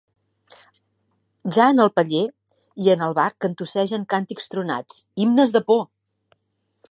Ja en el paller i en el bar cantussegen càntics tronats, himnes de por!